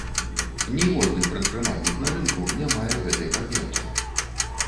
Ніводны прадпрымальнік на рынку не мае гэтай паперкі.